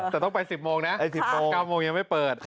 แต่ต้องไป๑๐โมงนะ๙โมงยังไม่เปิด